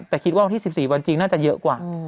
แต่คิดว่าวันที่๑๔วันจริงน่าจะเยอะกว่า